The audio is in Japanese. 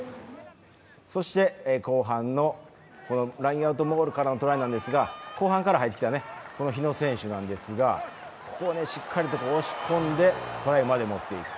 そして後半のラインアウトモールからのトライなんですが後半から入ってきた日野選手なんですがここをしっかりと押し込んでトライまで持っていく。